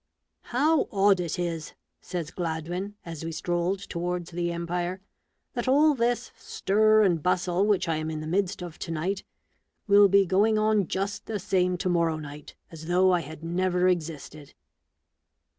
" How odd it is," says Gladwin, as we strolled towards the Empire, " that all this stir and bustle which I am in the midst of to night, will be going on just the same to morrow night, as though I had never existed."